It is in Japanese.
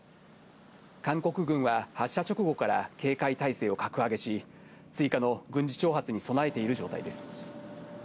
韓国軍は発射直後から警戒態勢を格上げし、追加の軍事挑発に備えている状態です。